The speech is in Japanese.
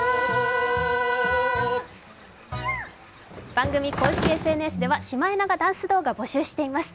番組公式ＳＮＳではシマエナガダンス動画、募集しています。